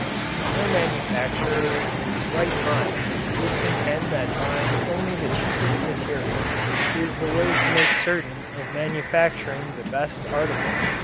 No manufacturer in his right mind would contend that buying only the cheapest materials is the way to make certain of manufacturing the best article.